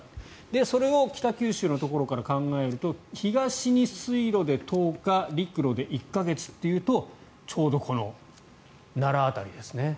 それを北九州のところから考えると東に水路で１０日陸路で１か月というとちょうどこの奈良辺りですね。